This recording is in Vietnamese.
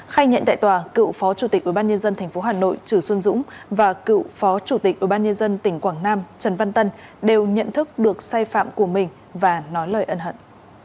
khai nhận tại tòa cựu phó chủ tịch ubnd tp hà nội trừ xuân dũng và cựu phó chủ tịch ubnd tỉnh quảng nam trần văn tân đều nhận thức được sai phạm của mình và nói lời ân hận